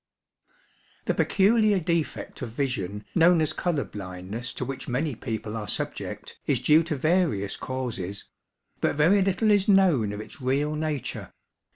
The peculiar defect of vision known as colour blindness to which many people are subject, is due to various causes; but very little is known of its real nature.